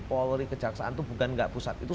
polri kejaksaan tuh bukan enggak pusat itu